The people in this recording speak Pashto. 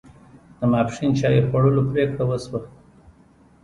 د ماپښین چای خوړلو پرېکړه وشوه.